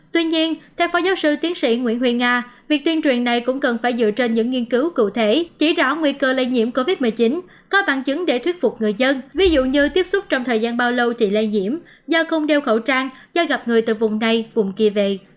tuy nhiên theo phó giáo sư tiến sĩ nguyễn huyền nga việc tuyên truyền này cũng cần phải dựa trên những nghiên cứu cụ thể chỉ rõ nguy cơ lây nhiễm covid một mươi chín có bằng chứng để thuyết phục người dân ví dụ như tiếp xúc trong thời gian bao lâu thì lây nhiễm do không đeo khẩu trang do gặp người từ vùng này vùng kia về